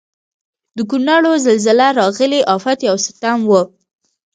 د کونړونو زلزله راغلي افت یو ستم و.